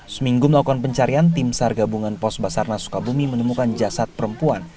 seminggu melakukan pencarian tim sar gabungan pos basarnas sukabumi menemukan jasad perempuan